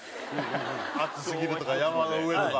暑すぎるとか山の上とか。